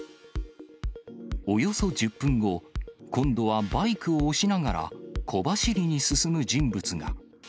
およそ１０分後、今度はバイクを押しながら、小走りに進む人物が。